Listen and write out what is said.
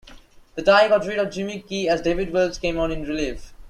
The tie got rid of Jimmy Key as David Wells came on in relief.